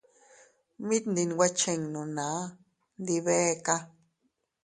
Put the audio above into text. Mit ndinwe chinnu naa, ndi beeka.